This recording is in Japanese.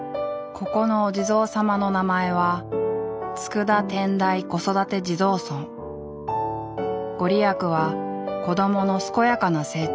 ここのお地蔵さまの名前は御利益は子供の健やかな成長。